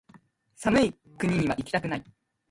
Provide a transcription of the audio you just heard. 寒い国にはいきたくない